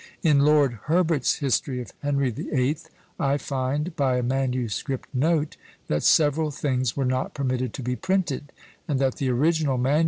In Lord Herbert's history of Henry the Eighth, I find, by a manuscript note, that several things were not permitted to be printed, and that the original MS.